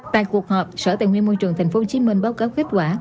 tại cuộc họp sở tài nguyên môi trường tp hcm báo cáo kết quả